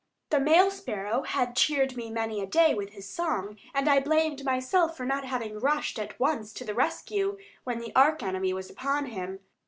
The male sparrow had cheered me many a day with his song, and I blamed myself for not having rushed at once to the rescue, when the arch enemy was upon him.